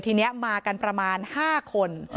ทีนี้มากันประมาณ๕คน